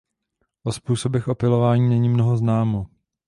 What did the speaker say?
O způsobech opylování není mnoho známo.